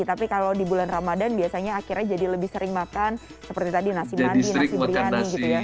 tapi kalau di bulan ramadan biasanya akhirnya jadi lebih sering makan seperti tadi nasi mandi nasi biryani gitu ya